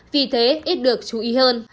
vì thế ít được chú ý hơn